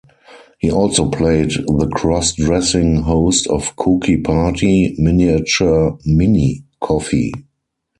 He also played the cross-dressing host of Cookie Party, Miniature "Mini" Coffee.